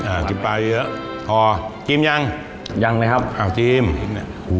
อ่ากินปลาเยอะพอจีมยังยังเลยครับเอาจีมอุ้ย